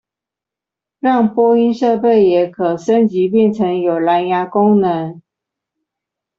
讓播音設備也可升級變成有藍芽功能